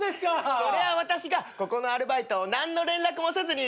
それは私がここのアルバイトを何の連絡もせずに飛んだから。